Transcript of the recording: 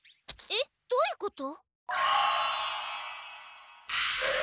えっどういうこと？